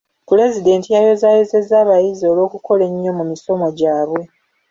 Pulezidenti yayozaayozezza abayizi olw'okukola ennyo mu misomo gyabwe.